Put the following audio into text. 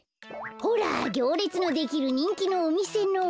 ほらぎょうれつのできるにんきのおみせの。